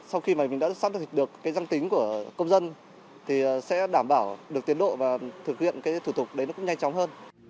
sau khi mình đã xác định được danh tính của công dân thì sẽ đảm bảo được tiến độ và thực hiện thủ tục đấy cũng nhanh chóng hơn